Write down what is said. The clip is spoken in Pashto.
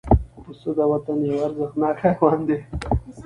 پسه د وطن یو ارزښتناک حیوان دی.